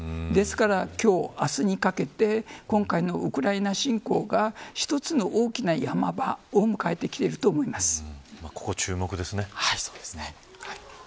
ですから今日、明日にかけて今回のウクライナ侵攻が一つの大きなヤマ場を迎えてきていると思います。